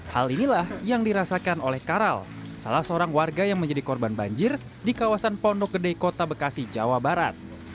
hal inilah yang dirasakan oleh karal salah seorang warga yang menjadi korban banjir di kawasan pondok gede kota bekasi jawa barat